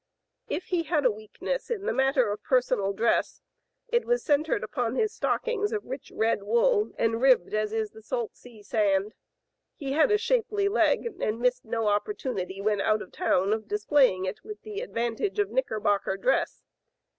If he had a weakness in the matter of personal dress it was centered upon his stockings of rich red wool and ribbed as is the salt sea sand. He had a shapely leg, and missed no opportunity when out of town of displaying it with the advantage of knickerbocker dress.